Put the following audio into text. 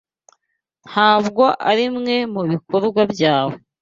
Ntabwo arimwe mubikorwa byawe.